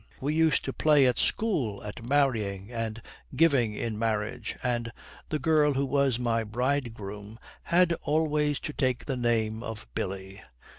We used to play at school at marrying and giving in marriage, and the girl who was my bridegroom had always to take the name of Billy.